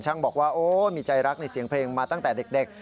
บอกว่าโอ้มีใจรักในเสียงเพลงมาตั้งแต่เด็ก